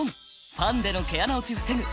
ファンデの毛穴落ち防ぐ！